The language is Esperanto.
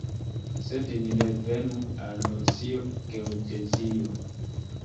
Sed ni revenu al nocio "geodezio".